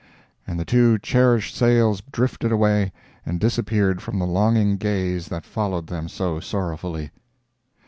and the two cherished sails drifted away and disappeared from the longing gaze that followed them so sorrowfully.